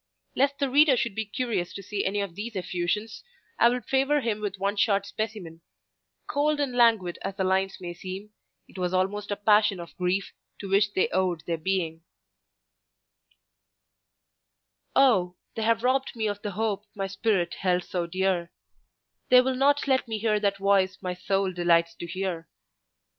Lest the reader should be curious to see any of these effusions, I will favour him with one short specimen: cold and languid as the lines may seem, it was almost a passion of grief to which they owed their being:— Oh, they have robbed me of the hope My spirit held so dear; They will not let me hear that voice My soul delights to hear.